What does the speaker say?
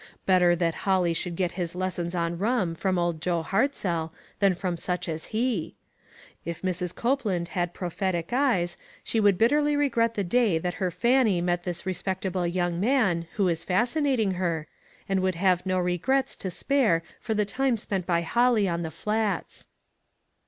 Better that Holly should get his lessons on rum from old Joe Hart zell than from such as he. If Mrs. Cope land had prophetic eyes, she would bitterly regret the day that her Fanny met this respectable young man, who is fascinating her, and would have no regrets to spare for the time spent by Holly on the Flats.